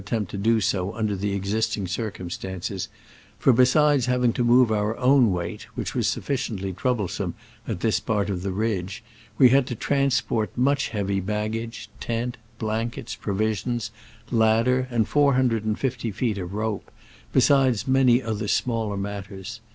73 tempt to do so under the existing cir cumstances; for, besides having to move our own weight, which was suf ficiently troublesome at this part of the ridge, we had to transport much heavy baggage, tent, blankets, provisions, lad der and four hundred and fifty feet of rope, besides many other smaller mat ters.